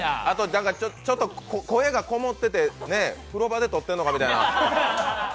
だから、声がこもってて風呂場で撮ってるのかみたいな。